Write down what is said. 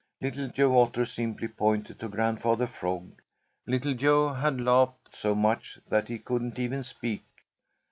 Little Joe Otter simply pointed to Grandfather Frog. Little Joe had laughed so much that he couldn't even speak.